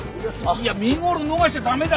いや見頃逃しちゃ駄目だって。